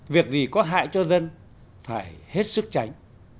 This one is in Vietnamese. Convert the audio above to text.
việc gì có hại cho dân phải hết sức tránh